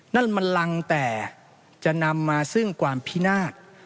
นั่นมันรังแต่จะนำมาซึ่งความพินาศ